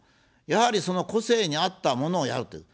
やはり、その個性に合ったものをやるという。